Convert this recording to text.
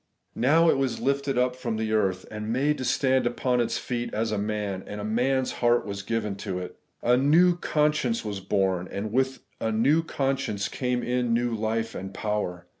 Now ' it was lifted up from the earth, and made to stand upon its feet as a man, and a man's heart was given to it.' A new conscierice was bom; and with a new conscience came in new life and power.